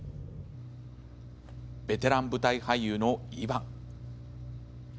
ベテラン舞台俳優のイバン。